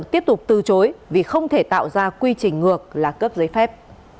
tiếp tục từ chối vì không thể tạo ra quy trình ngược là cấp giấy phép